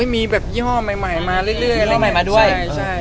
มีแบบยี่ห้อใหม่มาเรื่อย